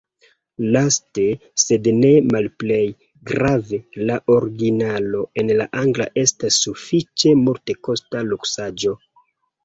Laste, sed ne malplej grave, la originalo en la angla estas sufiĉe multekosta luksaĵo.